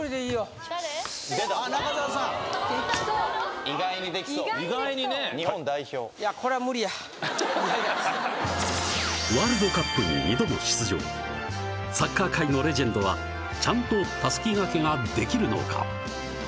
意外にできそう意外にできそう日本代表ワールドカップに２度も出場サッカー界のレジェンドはちゃんとたすき掛けができるのか？